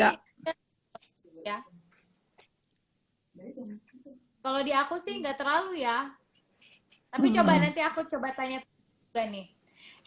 kalau di aku sih nggak terlalu ya tapi coba nanti aku coba tanya juga nih